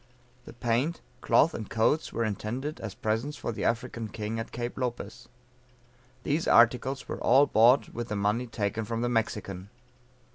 The paint, cloth and coats were intended as presents for the African king at Cape Lopez. These articles were all bought with the money taken from the Mexican.